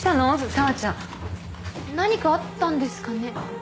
紗和ちゃん。何かあったんですかね？